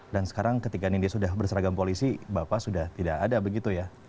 dan sekarang ketika nindya sudah berseragam polisi bapak sudah tidak ada begitu ya